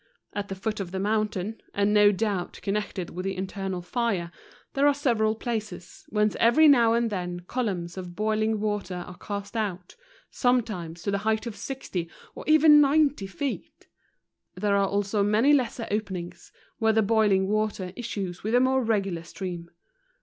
At the foot of the mountain, and no doubt connected with the internal fire, there are several places, whence every now and then columns of boiling water are cast out; sometimes to the height of 60, or even 90 feet. There are also many lesser openings, where the boiling water issues with a more regular stream.